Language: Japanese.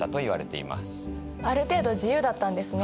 ある程度自由だったんですね。